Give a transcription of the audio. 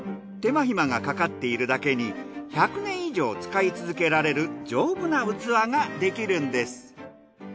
手間暇がかかっているだけに１００年以上使い続けられる丈夫な器ができるんです。